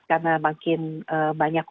karena makin banyak